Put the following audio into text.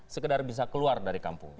sekedar bisa keluar dari kampung